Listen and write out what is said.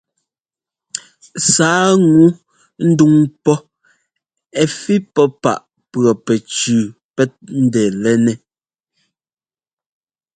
Sǎa ŋu ndúŋ pɔ́ ɛ́ fí pɔ́ páꞌ pʉɔpɛcʉʉ pɛ́t ńdɛ́lɛ́nɛ́.